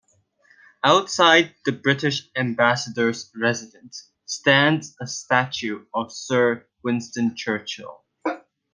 Outside the British ambassador's residence stands a statue of Sir Winston Churchill.